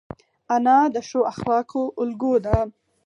انا د ښو اخلاقو الګو ده